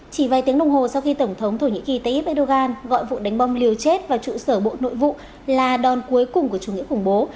chỉ vài tiếng đồng hồ sau khi tổng thống thổ nhĩ kỳ tayyip erdogan gọi vụ đánh bom liều chết vào trụ sở bộ nội vụ là đòn cuối cùng của chủ nghĩa khủng bố